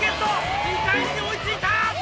２対２に追いついた！